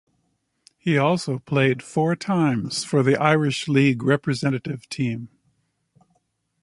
He also played four times for the Irish League representative team.